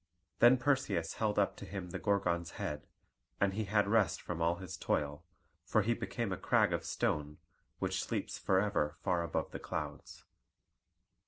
Then Perseus held up to him the Gorgon's head, and he had rest from all his toil; for he became a crag of stone, which sleeps forever far above the clouds.